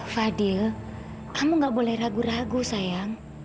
fadil kamu gak boleh ragu ragu sayang